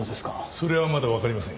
それはまだわかりません。